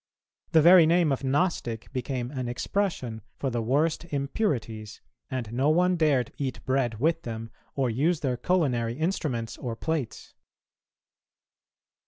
The very name of Gnostic became an expression for the worst impurities, and no one dared eat bread with them, or use their culinary instruments or plates.